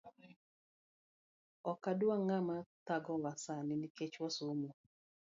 Okwadwa ngama thagowa sani Nikech wasomo